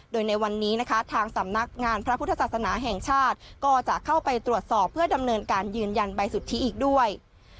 โดยในวันนี้นะคะทางสำนักงานพระพุทธศาสนาแห่งชาติก็จะเข้าไปตรวจสอบเพื่อดำเนินการยืนยันใบสุทธิอีกด้วย